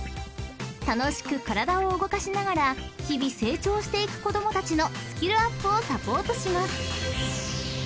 ［楽しく体を動かしながら日々成長していく子供たちのスキルアップをサポートします］